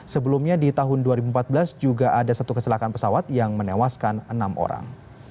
sebelumnya di tahun dua ribu empat belas juga ada satu kecelakaan pesawat yang menewaskan enam orang